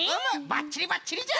ばっちりばっちりじゃ！